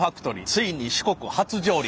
ついに四国初上陸。